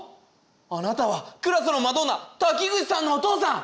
あなたはクラスのマドンナ滝口さんのお父さん！